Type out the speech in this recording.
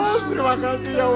setiap aku setuju